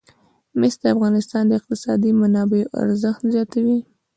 مس د افغانستان د اقتصادي منابعو ارزښت زیاتوي.